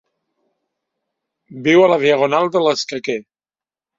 Viu a la diagonal de l'escaquer.